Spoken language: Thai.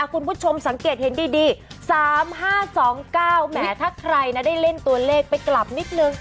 ก็ได้เล่นตัวเลขไปกลับนิดหนึ่ง